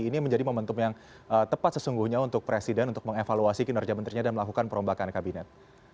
ini menjadi momentum yang tepat sesungguhnya untuk presiden untuk mengevaluasi kinerja menterinya dan melakukan perombakan kabinet